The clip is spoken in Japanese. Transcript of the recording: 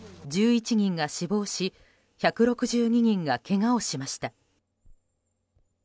１１人が死亡し１６２人がけがをしました。